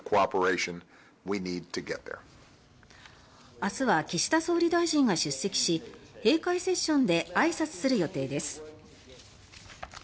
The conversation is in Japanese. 明日は岸田総理大臣が出席し閉会セッションであいさつする予定です。